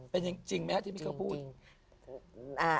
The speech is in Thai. เป็นจริงไหมครับที่พี่เขาพูด